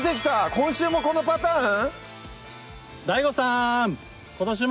今週もこのパターン？